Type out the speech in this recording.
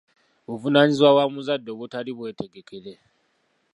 buvunaanyizibwa bwa muzadde obutali bwetegekere